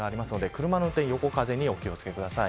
車の運転横風にお気を付けください。